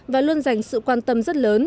và luôn dành sự quan tâm rất lớn